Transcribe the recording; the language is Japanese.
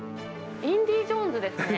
インディ・ジョーンズですね。